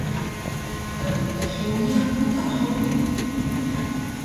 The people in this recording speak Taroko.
Emphuya ku da hug?